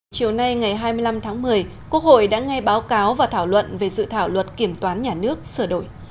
chiều nay ngày hai mươi năm tháng một mươi quốc hội đã nghe báo cáo và thảo luận về dự thảo luật kiểm toán nhà nước sửa đổi